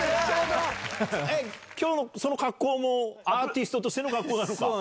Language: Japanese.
きょうのその格好も、アーティストとしての格好なのか？